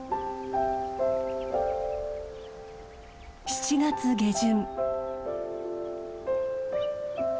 ７月下旬。